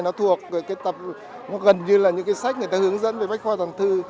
nó thuộc gần như là những cái sách người ta hướng dẫn về bách khoa toàn thư